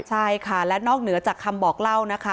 ใช่ค่ะและนอกเหนือจากคำบอกเล่านะคะ